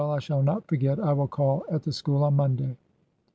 I shall not forget. I will call at the school on Monday."